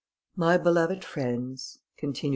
"My beloved friends," continued M.